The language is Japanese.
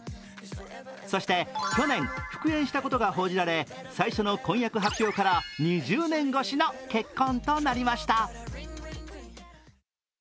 そして去年復縁したことが報じられ最初の婚約発表から２０年越しの結婚となりました。